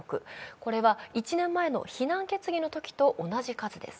これは１年前の非難決議のときと同じ数です。